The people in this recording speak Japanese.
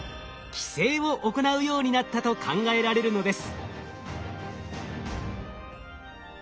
寄生を行うようになったと考えられるのです。